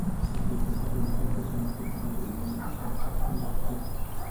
La Iglesia católica invoca a Nuestra Señora de Lourdes como patrona de los enfermos.